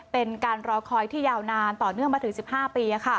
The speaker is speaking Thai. เป็นการรอคอยที่ยาวนานต่อเนื่องมาถึง๑๕ปี